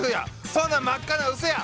そんなん真っ赤なウソや！